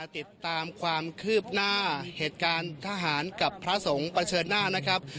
ติดตามความคืบหน้าเหตุการณ์ทหารกับพระสงฆ์เผชิญหน้านะครับ